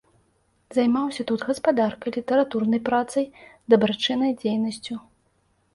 Займаўся тут гаспадаркай, літаратурнай працай, дабрачыннай дзейнасцю.